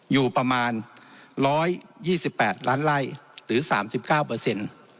อยู่ประมาณ๑๒๘ล้านไร่หรือ๓๙เปอร์เซ็นต์